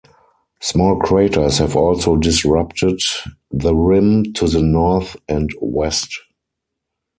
Small craters have also disrupted the rim to the north and west.